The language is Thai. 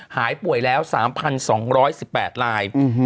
หายป่วยแล้ว๓๒๑๘ราย